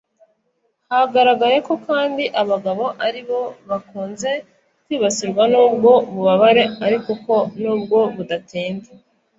Hagaragaye ko kandi abagabo ari bo bakunze kwibasirwa n’ubwo bubabare ariko ko nubwo budatinda